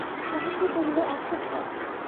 মহেন্দ্র কহিল, এখনই।